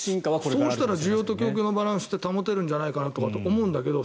そうすると需要と供給のバランスは保てるんじゃないかなと思うんだけど